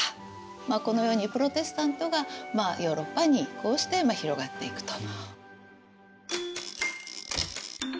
このようにプロテスタントがヨーロッパにこうして広がっていくと。